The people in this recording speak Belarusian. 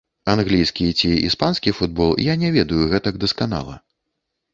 Англійскі ці іспанскі футбол я не ведаю гэтак дасканала.